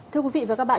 thưa quý vị và các bạn